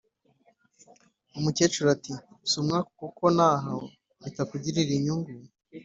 Umukecuru ati"sumwaku kuko naho bitakugirira inyungu